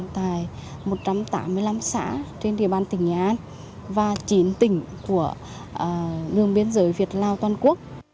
tại một trăm tám mươi năm xã trên địa bàn tỉnh nghệ an và chín tỉnh của đường biên giới việt lào toàn quốc